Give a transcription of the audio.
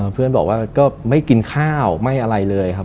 เพื่อนบอกว่าก็ไม่กินข้าวไม่อะไรเลยครับ